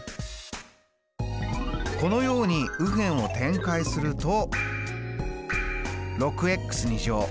このように右辺を展開すると６＋１１＋４。